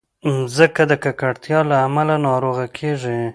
مځکه د ککړتیا له امله ناروغه کېږي.